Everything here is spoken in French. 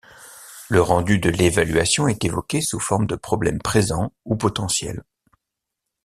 Le rendu de l'évaluation est évoqué sous forme de problèmes présents ou potentiels.